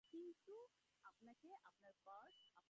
সুখ ও আনন্দ তো শেষ হইয়া যায়।